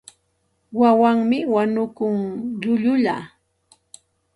Wawanmi wañukun llullulla.